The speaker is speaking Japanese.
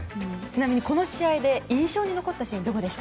ちなみにこの試合で印象に残ったシーンは？